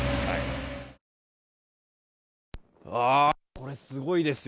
これ、すごいですよ。